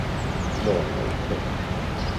莫雷特。